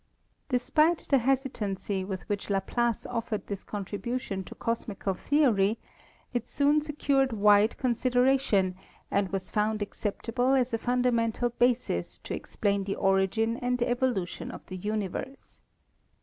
Despite the hesitancy with which Laplace offered this contribution to cosmical theory, it soon se cured wide consideration and was found acceptable as a fundamental basis to explain the origin and evolution of the universe.